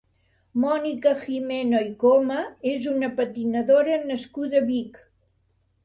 Mònica Gimeno i Coma és una patinadora nascuda a Vic.